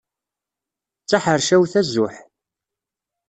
D taḥercawt azuḥ.